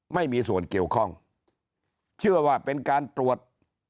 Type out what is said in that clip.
ไม่มีส่วนเกี่ยวข้องเชื่อว่าเป็นการตรวจ